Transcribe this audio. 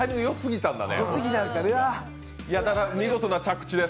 ただ見事な着地です。